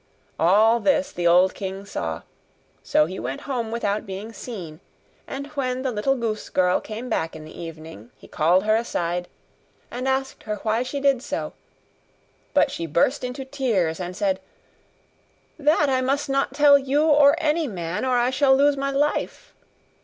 All this the old king saw: so he went home without being seen; and when the little goose girl came back in the evening he called her aside, and asked her why she did so: but she burst into tears, and said, 'That I must not tell you or any man, or I shall lose my life.